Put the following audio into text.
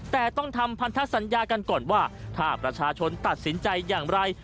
แต่ต้องทำพันธสัญญากันก่อนว่าถ้าประชาชนตัดสินใจอย่างไร